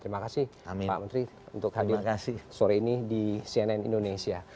terima kasih pak menteri untuk hadir sore ini di cnn indonesia